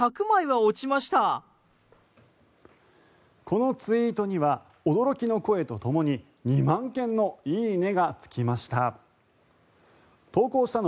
このツイートには驚きの声とともに２万件の「いいね」がつきました。